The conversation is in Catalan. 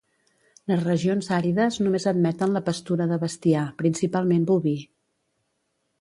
Les regions àrides només admeten la pastura de bestiar, principalment boví.